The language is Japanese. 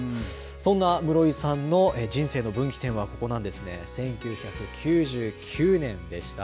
そんな室井さんの人生の分岐点はここなんですね、１９９９年でした。